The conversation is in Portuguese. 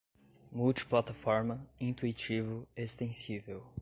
multiplataforma, intuitivo, extensível